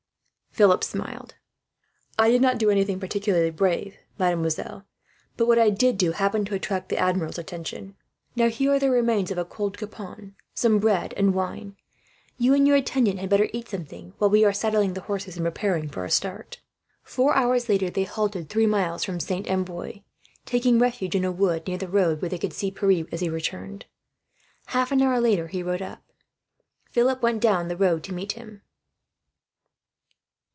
Philip smiled. "I did not do anything particularly brave, mademoiselle; but what I did do happened to attract the Admiral's attention. "Now, here are the remains of a cold capon, some bread, and wine. You and your attendant had better eat something, while we are saddling the horses and preparing for a start." Four hours later they halted, three miles from Saint Amboise; taking refuge in a wood near the road, where they could see Pierre as he returned. Half an hour later he rode up. Philip went down the road to meet him.